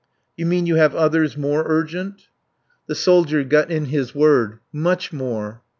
"You mean you have others more urgent?" The soldier got in his word. "Much more."